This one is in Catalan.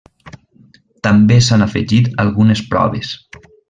També s'han afegit algunes proves.